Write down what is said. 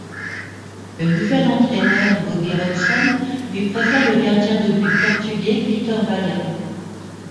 Le nouvel entraîneur, Bobby Robson, lui préfère le gardien de but portugais Vítor Baía.